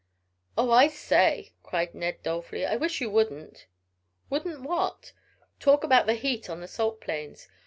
"Oh, I say," cried Ned dolefully, "I wish you wouldn't." "Wouldn't what?" "Talk about the heat on the salt plains.